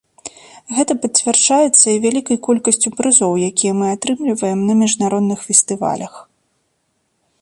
Гэта пацвярджаецца і вялікай колькасцю прызоў, якія мы атрымліваем на міжнародных фестывалях.